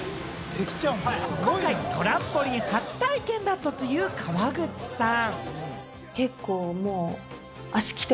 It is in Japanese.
今回、トランポリン初体験だったという川口さん。